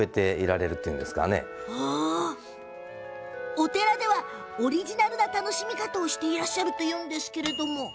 お寺ではオリジナルな楽しみ方をしていらっしゃるそうですが。